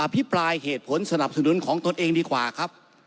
พิปรายเหตุผลสนับสนุนของตนเองดีกว่าครับ